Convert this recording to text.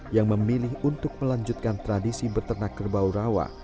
yang memilih untuk melanjutkan tradisi beternak kerbau rawa